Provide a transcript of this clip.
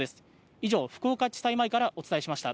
以上、福岡地裁前からお伝えしました。